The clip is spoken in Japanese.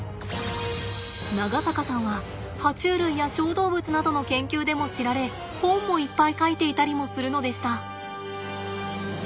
長坂さんは爬虫類や小動物などの研究でも知られ本もいっぱい書いていたりもするのでした！